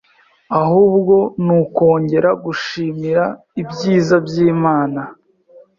ahubwo ni ukongera "gushimira ibyiza by'Imana